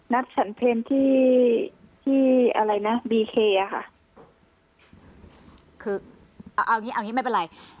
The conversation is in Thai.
ฉันเพลงที่ที่อะไรนะบีเคอ่ะค่ะคือเอาเอางี้เอางี้ไม่เป็นไร